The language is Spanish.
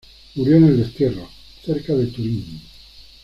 Murió en el destierro, cerca de Turín.